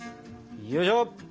よいしょ。